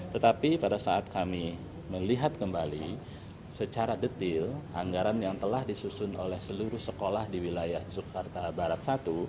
tetapi pada saat kami melihat kembali secara detil anggaran yang telah disusun oleh seluruh sekolah di wilayah jakarta barat satu